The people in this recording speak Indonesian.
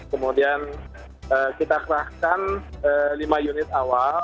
kemudian kita kerahkan lima unit awal